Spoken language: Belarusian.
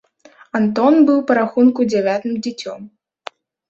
Антон быў па рахунку дзявятым дзіцем.